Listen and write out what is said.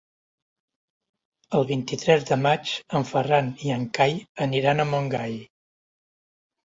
El vint-i-tres de maig en Ferran i en Cai aniran a Montgai.